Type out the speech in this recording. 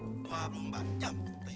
ini gara gara kakak juga